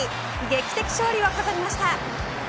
劇的勝利を飾りました。